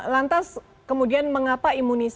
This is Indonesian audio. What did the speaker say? lantas kemudian mengapa imunisasi